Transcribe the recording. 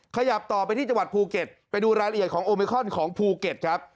ขยับต่อไปที่จังหวัดภูเก็ตไปดูรายละเอียดของโอมิคอนของภูเก็ตครับ